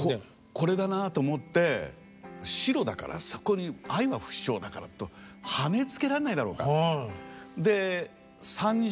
これだなと思って白だからそこに「愛は不死鳥」だから羽付けられないだろうか。